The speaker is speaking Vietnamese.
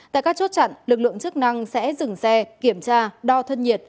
tại các chốt chặn lực lượng chức năng sẽ dừng xe kiểm tra đo thân nhiệt